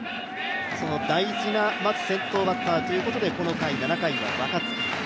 大事な先頭バッターということで７回は若月。